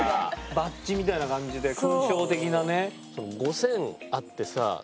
バッジみたいな感じですごいね。